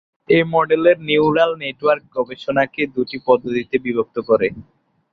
এই model neural network গবেষণাকে দুটি পদ্ধতিতে বিভক্ত করে।